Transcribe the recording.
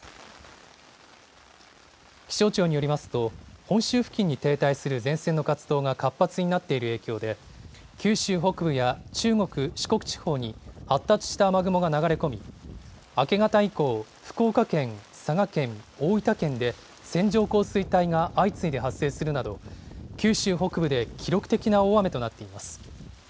気象庁によりますと、本州付近に停滞する前線の活動が活発になっている影響で、九州北部や中国、四国地方に発達した雨雲が流れ込み、明け方以降、福岡県、佐賀県、大分県で線状降水帯が相次いで発生するなど、九州北部で記録的な大雨となっています。